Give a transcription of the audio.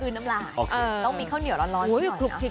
คือน้ำลายต้องมีข้าวเหนียวร้อนนิดหน่อย